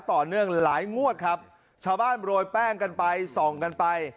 ต่อเนื่องหลายงวดครับชาวบ้านโรยแป้งกันไปส่องกันไป